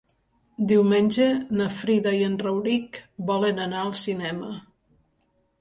Diumenge na Frida i en Rauric volen anar al cinema.